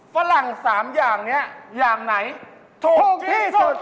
ฝรั่ง๓อย่างนี้อย่างไหนถูกที่สุด